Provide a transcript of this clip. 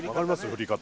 振り方。